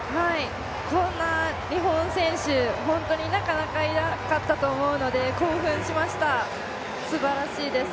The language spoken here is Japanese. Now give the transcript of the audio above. こんな日本選手、本当になかなかいなかったと思うので、興奮しました、すばらしいです。